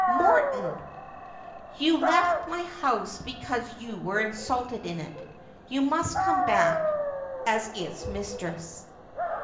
' Morton !'' You left my house because you were insulted in it. You must come back as its mistress.'